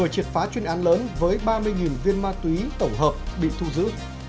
phòng tqb vừa triệt phá chuyên án lớn với ba mươi viên ma túy tổng hợp bị thu giữ